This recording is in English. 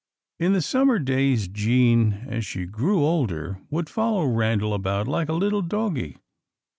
In the summer days, Jean, as she grew older, would follow Randal about like a little doggie.